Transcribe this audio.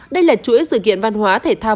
đây là chuỗi dự kiện văn hóa thể thao